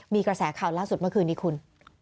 มีกระแสข่าวล่าสุดเมื่อคืนนี้คุณ